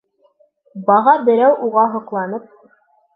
Баға берәү уға һоҡланып.